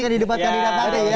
yang di debatkan di datang